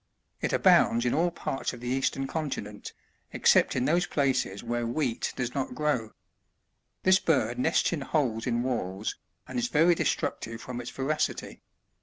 It abounds in all parts of the eastern continent, except in those places where wheat does not grow ; this bird nests in holes in walls, and is very destructive from its voracity.